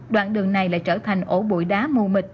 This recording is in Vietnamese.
đoạn đường này lại trở thành ổ bụi đá mù mịch